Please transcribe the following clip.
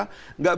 tidak bisa begitu